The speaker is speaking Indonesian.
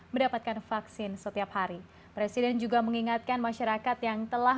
mendapatkan vaksin setiap hari presiden juga mengingatkan masyarakat yang telah